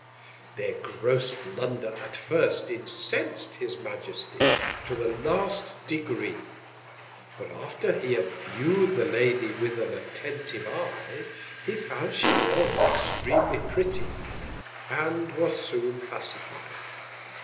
Their gross Blunder at first incens'd his Majesty to the last Degree; but after he had view'd the Lady with an attentive Eye, he found she was extremely pretty, and was soon pacify'd.